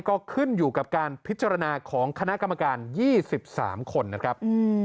ก็ขึ้นอยู่กับการพิจารณาของคณะกรรมการ๒๓คนนะครับ